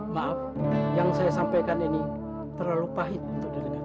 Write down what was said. maaf yang saya sampaikan ini terlalu pahit untuk dirinya